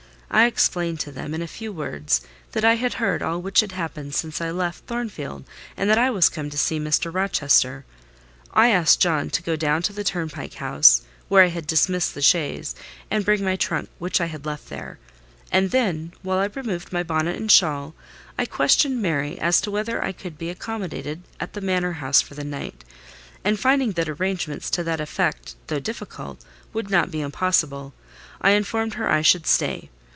I explained to them, in few words, that I had heard all which had happened since I left Thornfield, and that I was come to see Mr. Rochester. I asked John to go down to the turn pike house, where I had dismissed the chaise, and bring my trunk, which I had left there: and then, while I removed my bonnet and shawl, I questioned Mary as to whether I could be accommodated at the Manor House for the night; and finding that arrangements to that effect, though difficult, would not be impossible, I informed her I should stay.